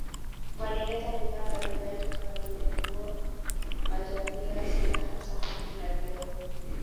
Walileta bidhaa mbalimbali kama vile nguo majambia silaha sahani na vioo